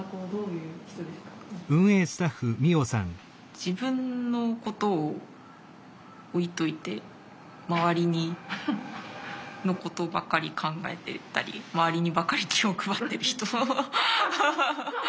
自分のことを置いといて周りのことばかり考えてたり周りにばかり気を配ってる人。